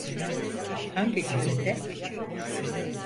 Hangi gazete?